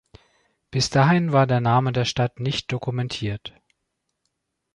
Bis dahin war der Name der Stadt nicht dokumentiert.